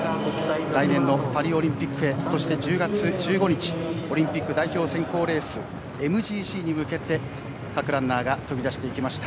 来年のパリオリンピックへそして１０月１５日オリンピック代表選考レースＭＧＣに向けて、各ランナーが飛び出していきました。